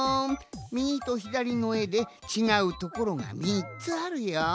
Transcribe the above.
みぎとひだりのえでちがうところが３つあるよ。